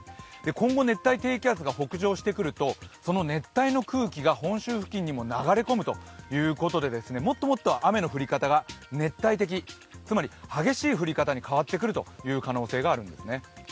今後、熱帯低気圧が北上してくるとその熱帯の空気が本州付近にも流れ込むということでもっともっと雨の降り方が熱帯的、つまり激しい降り方に変わってくる可能性がありそうなんですね。